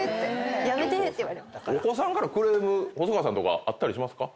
お子さんからクレーム細川さんとかあったりしますか？